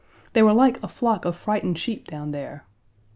They were like a flock of frightened sheep down there.